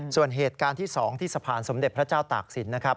ส่วนเหตุการณ์ที่๒ที่สะพานสมเด็จพระเจ้าตากศิลป์นะครับ